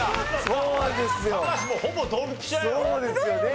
そうですよね。